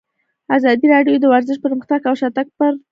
ازادي راډیو د ورزش پرمختګ او شاتګ پرتله کړی.